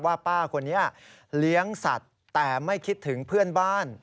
ป้าคนนี้เลี้ยงสัตว์แต่ไม่คิดถึงเพื่อนบ้าน